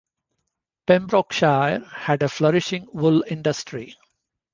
Pembrokeshire had a flourishing wool industry.